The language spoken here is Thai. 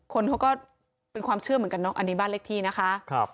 คนเขาก็เป็นความเชื่อเหมือนกันเนาะอันนี้บ้านเลขที่นะคะ